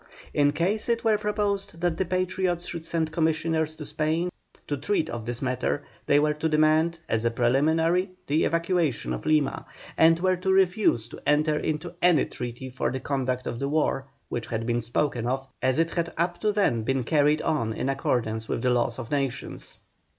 In case it were proposed that the Patriots should send Commissioners to Spain to treat of this matter, they were to demand, as a preliminary, the evacuation of Lima, and were to refuse to enter into any treaty for the conduct of the war, which had been spoken of, as it had up to then been carried on in accordance with the law of Nations.